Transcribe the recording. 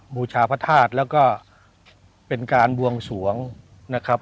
บูชาพระธาตุแล้วก็เป็นการบวงสวงนะครับ